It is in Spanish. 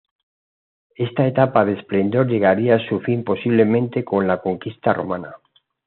Esta etapa de esplendor llegaría a su fin posiblemente con la conquista romana.